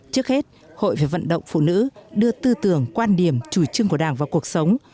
trước hết hội phải vận động phụ nữ đưa tư tưởng quan điểm chủ trương của đảng vào cuộc sống